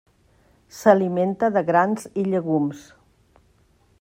S'alimenta de grans i llegums.